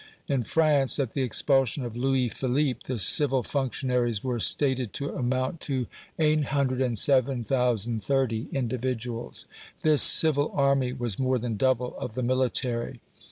In France, at the expulsion of Louis Philippe, the civil functionaries were stated to amount to 807,030 individuals. This civil army was more than double of the military.